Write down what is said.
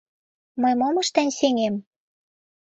Мый мом ыштен сеҥем?